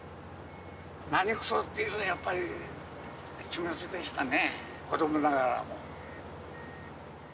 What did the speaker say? なにくそっていう、やっぱり気持ちでしたね、子どもながらも。